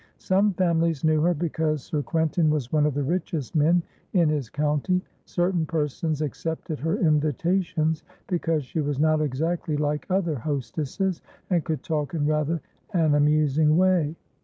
Some families knew her because Sir Quentin was one of the richest men in his county; certain persons accepted her invitations because she was not exactly like other hostesses, and could talk in rather an amusing way.